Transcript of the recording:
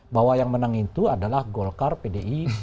bahwa yang menang itu adalah golkar pdip